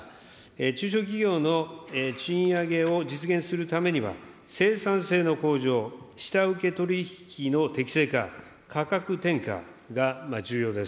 中小企業の賃上げを実現するためには、生産性の向上、下請け取り引きの適正化、価格転嫁が重要です。